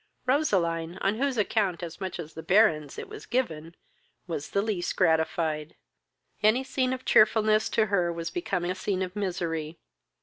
Roseline, on whose account, as much as the Baron's, it was given, was the least gratified. Any scene of cheerfulness to her was become a scene of misery.